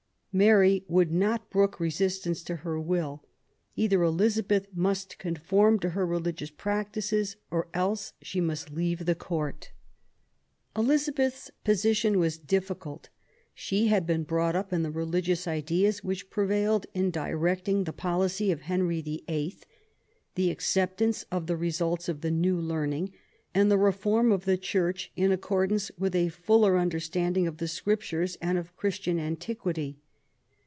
Mary would not brook resistance to her will. Either Elizabeth must conform to her religious practices, or else must leave the Court. Elizabeth's position was difficult. She had been brought up in the religious ideas which prevailed in directing the policy of Henry VIII., the acceptance of the results of the New Learning, and the reform of the Church in accordance with a fuller understand ing of the Scriptures and of Christian antiquity.